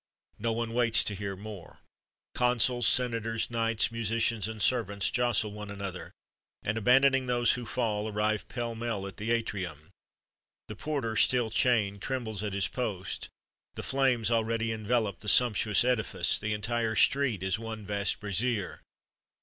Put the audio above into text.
No one waits to hear more. Consuls, senators, knights, musicians, and servants, jostle one another; and, abandoning those who fall, arrive pell mell at the atrium. The porter still chained, trembles at his post; the flames already envelop the sumptuous edifice the entire street is one vast brazier!